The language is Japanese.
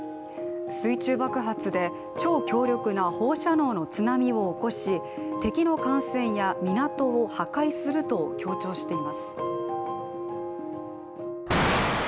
水中爆発で、超強力な放射能の津波を起こし、敵の艦船や港を破壊すると強調しています。